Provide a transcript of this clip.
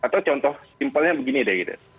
atau contoh simpelnya begini deh gitu